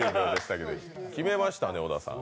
決めましたね、小田さん。